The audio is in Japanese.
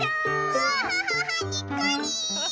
キャハハハにっこり！